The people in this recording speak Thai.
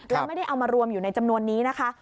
แล้วไม่ได้เอามารวมอยู่ในจำนวนนี้นะคะ